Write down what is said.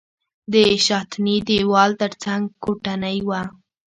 د شاتني دېوال تر څنګ کوټنۍ وه.